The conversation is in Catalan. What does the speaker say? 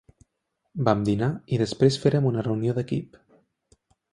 Vam dinar i després férem una reunió d'equip.